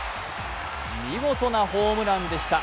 見事なホームランでした。